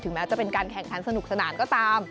แม้จะเป็นการแข่งขันสนุกสนานก็ตาม